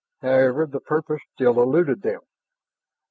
However, the purpose still eluded them.